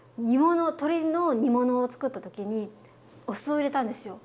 鶏の煮物をつくった時にお酢を入れたんですよ。